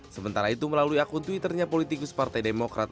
sementara itu melalui akun twitternya politikus partai demokrat